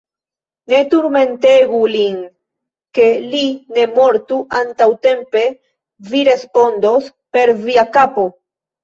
Ne turmentegu lin, ke li ne mortu antaŭtempe: vi respondos per via kapo!